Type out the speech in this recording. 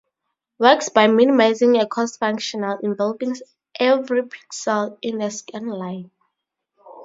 Works by minimizing a cost functional involving every pixel in a scan line.